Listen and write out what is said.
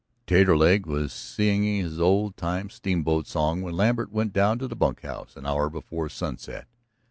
Taterleg was singing his old time steamboat song when Lambert went down to the bunkhouse an hour before sunset.